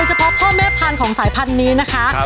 โดยเฉพาะพ่อเม็ดพันธุ์ของสายพันนี้นะคะ